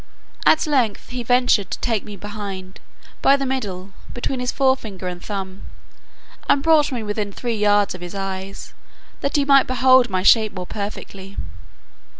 At length he ventured to take me behind, by the middle, between his fore finger and thumb, and brought me within three yards of his eyes, that he might behold my shape more perfectly.